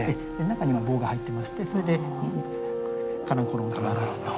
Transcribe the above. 中には棒が入ってましてそれでカランコロンと鳴らすと。